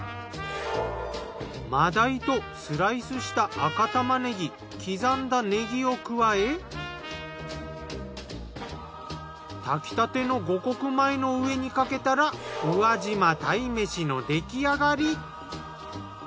真鯛とスライスした赤玉ねぎ刻んだねぎを加え炊きたての五穀米の上にかけたら宇和島鯛めしの出来上がり。